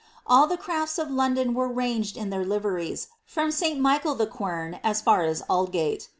All the crafts of London were ranged in their liveries from St. Michael the Quern as br as Aldgate.